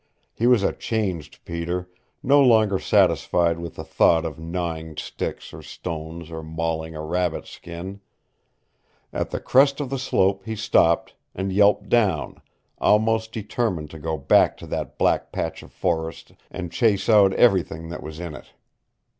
He was a changed Peter, no longer satisfied with the thought of gnawing sticks or stones or mauling a rabbit skin. At the crest of the slope he stopped, and yelped down, almost determined to go back to that black patch of forest and chase out everything that was in it.